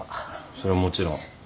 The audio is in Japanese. それはもちろん。